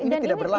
ini tidak berlaku